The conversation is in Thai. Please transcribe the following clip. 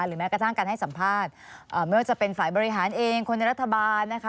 แม้กระทั่งการให้สัมภาษณ์ไม่ว่าจะเป็นฝ่ายบริหารเองคนในรัฐบาลนะคะ